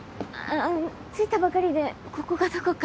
あ着いたばかりでここがどこか。